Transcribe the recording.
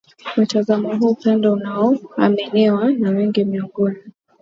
mtazamo huu pendwa unaoaminiwa na wengi miongoni